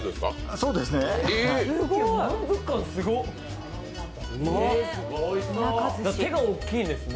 そうですね。